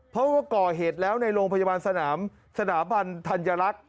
เพราะว่าก่อเหตุแล้วในโรงพยาบาลสนามสถาบันธัญลักษณ์